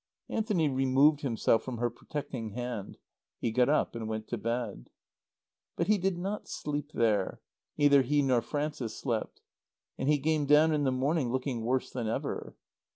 Anthony removed himself from her protecting hand. He got up and went to bed. But he did not sleep there. Neither he nor Frances slept. And he came down in the morning looking worse than ever.